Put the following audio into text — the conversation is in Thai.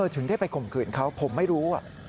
ถึงได้ไปข่มขืนเขาผมไม่รู้